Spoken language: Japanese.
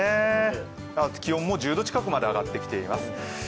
気温も１０度近くまで上がってきています。